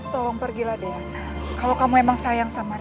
tolong pergilah dian kalau kamu emang sayang sama liora